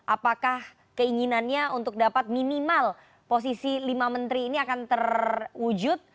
apakah keinginannya untuk dapat minimal posisi lima menteri ini akan terwujud